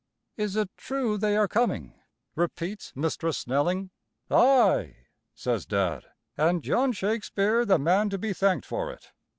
"Is it true they are coming?" repeats Mistress Snelling. "Ay," says Dad, "an' John Shakespeare the man to be thanked for it.